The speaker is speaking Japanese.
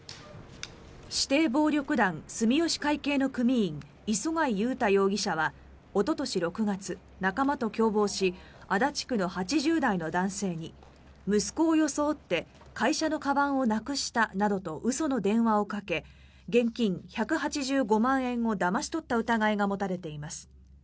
指定暴力団住吉会系の組員磯貝優太容疑者はおととし６月、仲間と共謀し足立区の８０代の男性に息子を装って会社のかばんをなくしたなどと嘘の電話をかけ現金１８５万円をだまし取った疑いが持たれています。